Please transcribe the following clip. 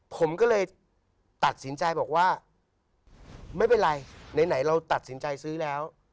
ผมก็เลยตัดสินใจบอกว่าไม่เป็นไรไหนเราตัดสินใจซื้อแล้ว